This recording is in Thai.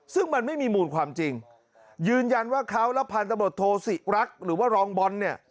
ซึ่งมันไม่มีมูลความจริงยืนยันว่าเขาและพันธบทโทศิรักษ์หรือว่ารองบอลเนี่ย